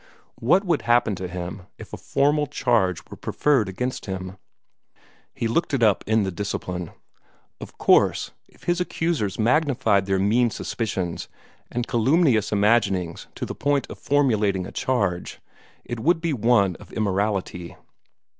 What would happen to him if a formal charge were preferred against him? He looked it up in the Discipline. Of course, if his accusers magnified their mean suspicions and calumnious imaginings to the point of formulating a charge, it would be one of immorality.